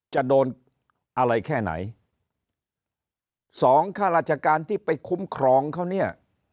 จะโดนอะไรแค่ไหนสองข้าราชการที่ไปคุ้มครองเขาเนี่ย